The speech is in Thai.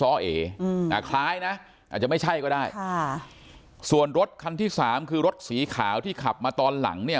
อ่าคล้ายนะอาจจะไม่ใช่ก็ได้ค่ะส่วนรถคันที่สามคือรถสีขาวที่ขับมาตอนหลังเนี่ย